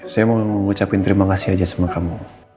saya mau mengucapkan terima kasih aja sama kamu